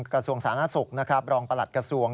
กระทรวงสาธารณสุขนะครับรองประหลัดกระทรวง